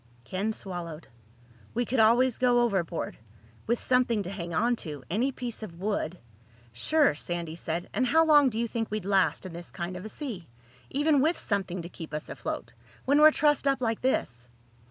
Ken swallowed. "We could always go overboard—with something to hang on to. Any piece of wood—" "Sure," Sandy said. "And how long do you think we'd last in this kind of a sea—even with something to keep us afloat—when we're trussed up like this?"